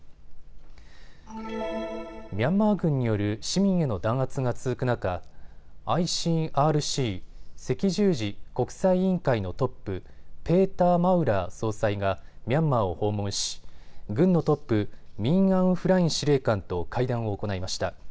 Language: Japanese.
ミャンマー軍による市民への弾圧が続く中、ＩＣＲＣ・赤十字国際委員会のトップ、ペーター・マウラー総裁がミャンマーを訪問し軍のトップ、ミン・アウン・フライン司令官と会談を行いました。